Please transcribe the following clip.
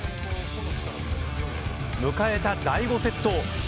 迎えた第５セット。